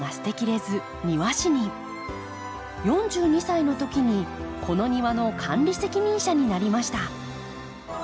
４２歳のときにこの庭の管理責任者になりました。